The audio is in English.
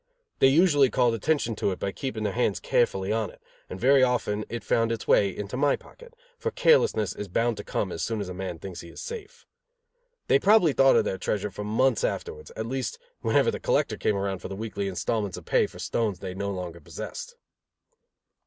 They usually called attention to it by keeping their hands carefully on it; and very often it found its way into my pocket, for carelessness is bound to come as soon as a man thinks he is safe. They probably thought of their treasure for months afterwards; at least, whenever the collector came around for the weekly installments of pay for stones they no longer possessed.